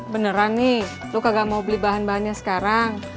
beneran nih lo kagak mau beli bahan bahannya sekarang